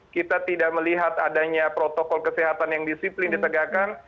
kita tidak melihat adanya protokol kesehatan yang disiplin ditegakkan